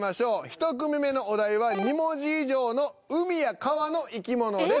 １組目のお題は２文字以上の海や川の生き物です。